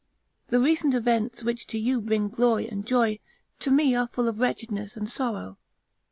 The recent events which to you bring glory and joy, to me are full of wretchedness and sorrow.